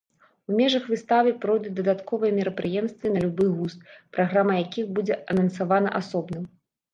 У межах выставы пройдуць дадатковыя мерапрыемствы на любы густ, праграма якіх будзе анансавана асобна.